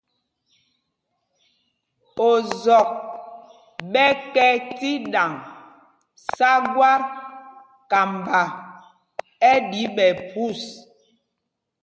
Ozɔk ɓɛ kɛ tí ɗaŋ sá gwát, kamba ɛ́ ɗí ɓɛ̌ phūs.